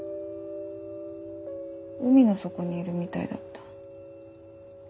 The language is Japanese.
海の底にいるみたいだった。